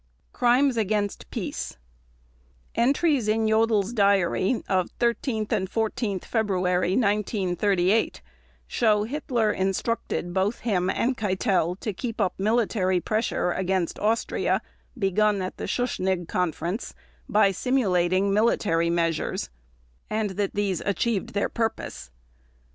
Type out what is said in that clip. Crimes against Peace Entries in Jodl's diary of 13 and 14 February 1938 show Hitler instructed both him and Keitel to keep up military pressure against Austria begun at the Schuschnigg conference by simulating military measures, and that these achieved their purpose.